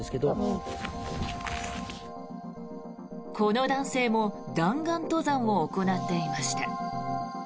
この男性も弾丸登山を行っていました。